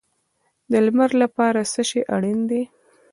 د لمر لپاره څه شی اړین دی؟